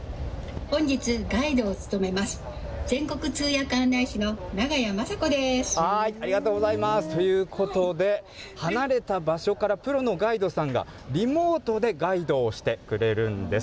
本日、ガイドを務めます、ありがとうございます。ということで、離れた場所からプロのガイドさんがリモートでガイドをしてくれるんです。